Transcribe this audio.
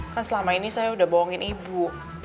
kan selama ini saya udah bohongin ibu